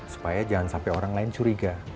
supaya jangan sampai orang lain curiga